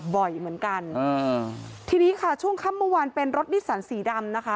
บ่อยเหมือนกันอ่าทีนี้ค่ะช่วงค่ำเมื่อวานเป็นรถนิสันสีดำนะคะ